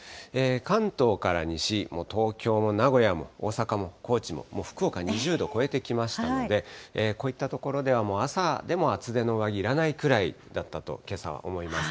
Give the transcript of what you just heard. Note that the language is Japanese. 関東から西、東京も名古屋も大阪も高知も、福岡、２０度超えてきましたので、こういった所では、もう朝でも厚手の上着いらないくらいだったと、けさは思います。